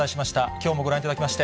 きょうもご覧いただきまして、